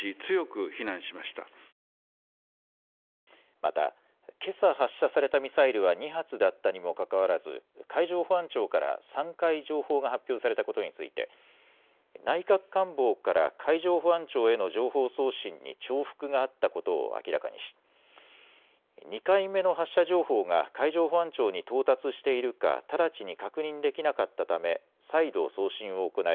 また、けさ発射されたミサイルは２発だったにもかかわらず海上保安庁から３回情報が発表されたことについて内閣官房から海上保安庁への情報送信に重複があったことを明らかにし２回目の発射情報が海上保安庁に到達しているか直ちに確認できなかったため再度送信を行い